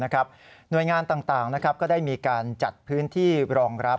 หน่วยงานต่างก็ได้มีการจัดพื้นที่รองรับ